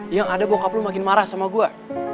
yang ada bokap lu makin marah sama gue